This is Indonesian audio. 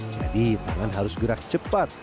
jadi tangan harus gerak cepat